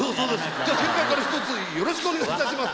じゃあ先輩からひとつよろしくお願いいたします。